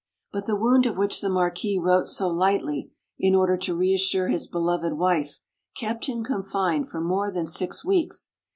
But the wound of which the marquis wrote so lightly, in order to re assure his beloved wife, kept him confined for more than six weeks.